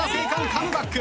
カムバック。